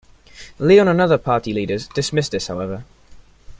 Leon and other party leaders dismissed this, however.